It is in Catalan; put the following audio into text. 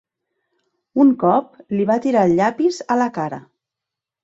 Un cop li va tirar el llapis a la cara.